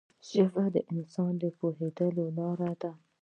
ژبه د انسان د پوهېدو لاره ده